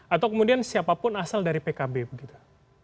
atau kemudian siapapun asal dari pkb begitu